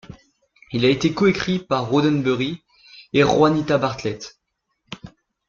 Il a été coécrit par Roddenberry et Juanita Bartlett.